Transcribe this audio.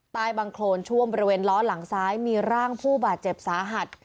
ใต้บังโครนท่วมบริเวณล้อหลังซ้ายมีร่างผู้บาดเจ็บสาหัส